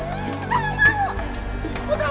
aku tak mau